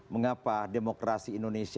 mengapa demokrasi indonesia